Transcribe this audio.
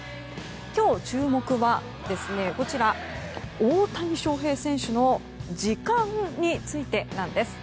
今日、注目は大谷翔平選手の時間についてなんです。